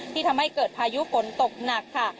ทำให้เกิดพายุฝนตกหนักค่ะ